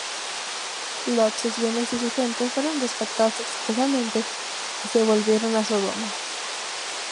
Lot, sus bienes y su gente fueron rescatados exitosamente y volvieron a Sodoma.